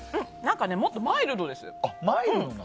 もっとマイルドです。